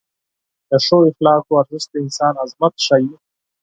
د ښو اخلاقو ارزښت د انسان عظمت ښیي.